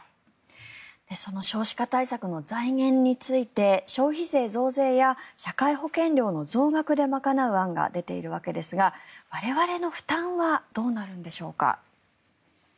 その少子化対策の財源について、消費税増税や社会保険料の増額で賄う案が出ているんですが我々の負担はどうなるんでしょうか。